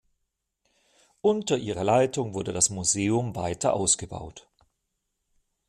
Unter ihrer Leitung wurde das Museum weiter ausgebaut.